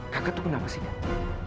kakak tuh kenapa sih kak